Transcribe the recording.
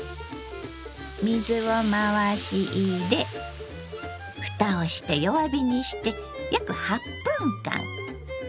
水を回し入れ蓋をして弱火にして約８分間。